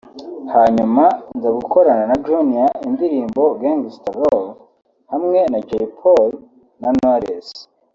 hanyuma nza gukorana na Junior indirimbo “Gangster Love” hamwe na Jay Polly na Knowless